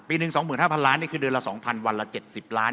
ปีหนึ่ง๒๕๐๐๐ล้านนี่คือเดือนละ๒๐๐๐วันละ๗๐ล้าน